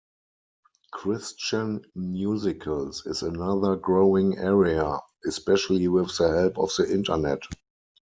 Christian Musicals is another growing area, especially with the help of the internet.